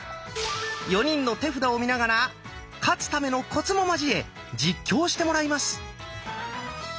４人の手札を見ながら勝つためのコツも交え実況してもらいます。